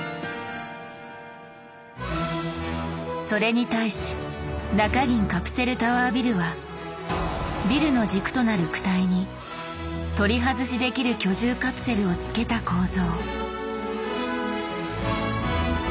それに対し中銀カプセルタワービルはビルの軸となる躯体に取り外しできる居住カプセルをつけた構造。